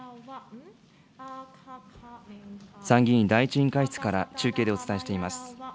参議院第１委員会室から中継でお伝えしています。